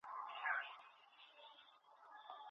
اقتصاد پوهنځۍ بې بودیجې نه تمویلیږي.